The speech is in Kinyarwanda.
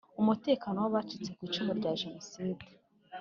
Umutekano w abacitse kw icumu rya Jenoside